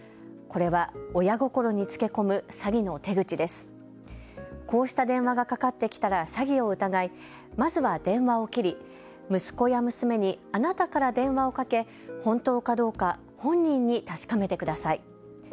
こうした電話がかかってきたら詐欺を疑い、まずは電話を切り息子や娘にあなたから電話をかけ本当かどうか本人に確かめてください。